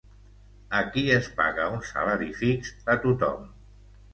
Aquí es paga un salari fix a tothom.